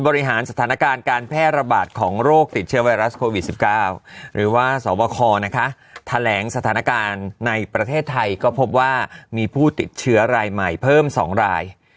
บริหารสถานการณ์การแพร่ระบาดของโรคติดเชื้อไวรัสโควิด๑๙หรือว่าสวบคนะคะแถลงสถานการณ์ในประเทศไทยก็พบว่ามีผู้ติดเชื้อรายใหม่เพิ่ม๒ราย